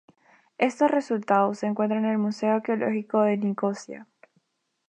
Estos resultados se encuentran en el Museo Arqueológico de Nicosia.